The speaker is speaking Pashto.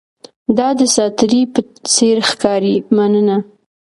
دا د ساتیرۍ په څیر ښکاري، مننه!